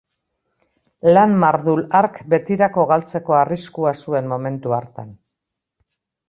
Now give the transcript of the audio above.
Lan mardul hark betirako galtzeko arriskua zuen momentu hartan.